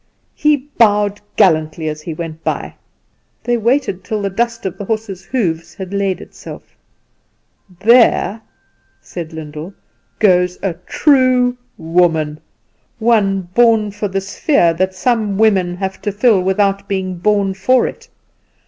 He bowed gallantly as he went by. They waited till the dust of the horse's hoofs had laid itself. "There," said Lyndall, "goes a true woman one born for the sphere that some women have to fill without being born for it.